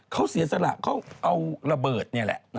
เขาเสียสละเขาเอาระเบิดนี่แหละ